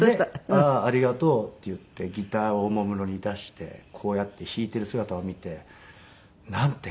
「ああありがとう」って言ってギターをおもむろに出してこうやって弾いてる姿を見てなんて